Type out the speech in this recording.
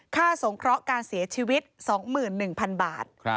สงเคราะห์การเสียชีวิต๒๑๐๐๐บาท